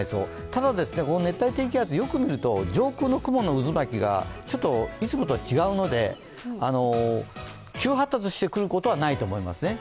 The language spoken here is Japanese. ただ熱帯低気圧、よく見ると、よく見ると上空の雲の渦巻きがちょっといつもとは違うので急発達してくることはないと思いますね。